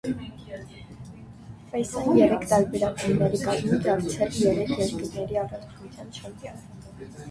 Ֆեյսան երեք տարբեր ակումբների կազմում դարձել երեք երկրների առաջնության չեմպիոն։